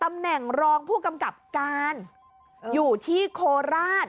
ตำแหน่งรองผู้กำกับการอยู่ที่โคราช